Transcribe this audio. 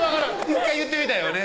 １回言ってみたいよね